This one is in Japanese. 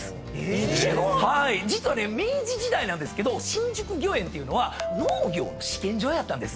実は明治時代なんですけど新宿御苑っていうのは農業の試験場やったんです。